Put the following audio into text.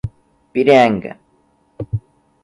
Piranga